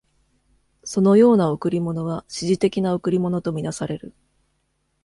そのような贈り物は指示的な贈り物とみなされる。